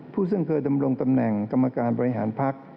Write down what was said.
ซึ่งเคยดำรงตำแหน่งกรรมการบริหารพัก